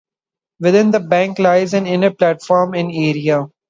Within the bank lies an inner platform in area.